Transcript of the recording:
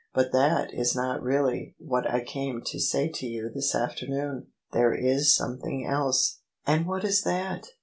But that is not really what I came to say to you this afternoon : there is something else." "And what is that?